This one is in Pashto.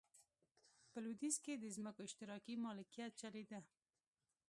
په لوېدیځ کې د ځمکو اشتراکي مالکیت چلېده.